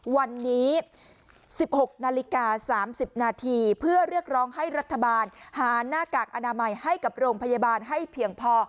วันนี้๑๖นาฬิกา๓๐นาทีเพื่อเรียกร้องให้รัฐบาลหาหน้ากากอนามัยให้กับโรงพยาบาลให้เพียงพอ